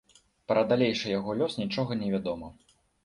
Пра далейшы яго лёс нічога невядома.